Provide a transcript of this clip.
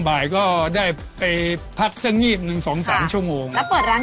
แล้วเปิดร้านกี่โมง